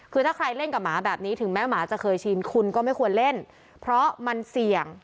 คือถ้าใครเล่นกับหมาแบบนี้ถึงแม้หมาจะเคยชินคุณก็ไม่ควรเล่นเพราะมันเสี่ยง